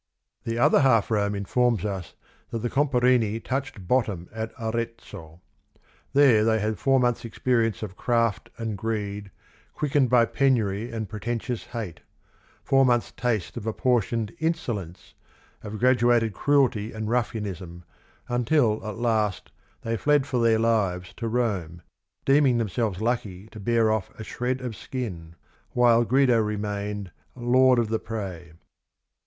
The Other Half Rome in forms us that the Cnmpnri'ni tmirh ed bottom at Are zzo. There they had four months' experience of craft and greed, quickened by penury and pretentious hate; four months' taste of apportioned inso lence, of graduated cruelty and ruffianism, until at last they fled for their lives to Rome, deeming themselves lucky to bear off a shred of skin, — while Guido remained "lord of the prey."